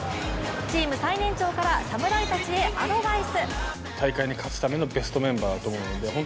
チーム最年長から侍たちへアドバイス。